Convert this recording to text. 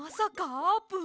あーぷん！